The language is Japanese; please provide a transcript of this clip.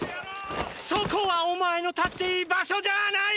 そこはお前の立っていい場所じゃあない！